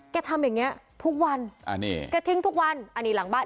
ทำอย่างเงี้ยทุกวันอ่านี่แกทิ้งทุกวันอันนี้หลังบ้าน